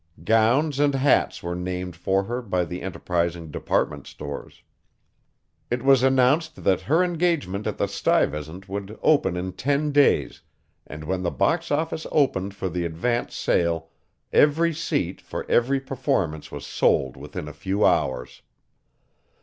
Gowns and hats were named for her by the enterprising department stores. It was announced that her engagement at the Stuyvesant would open in ten days, and when the box office opened for the advance sale every seat for every performance was sold within a few hours.